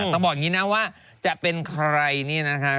ต้องบอกอย่างนี้นะว่าจะเป็นใครนี่นะคะ